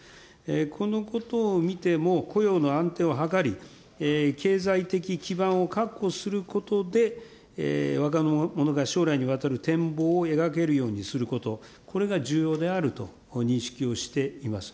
このことを見ても、雇用の安定を図り、経済的基盤を確保することで、若者が将来にわたる展望を描けるようにすること、これが重要であると認識をしています。